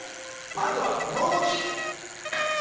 まずはこのうごき。